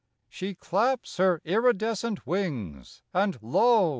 She claps her iridescent wings, and lo!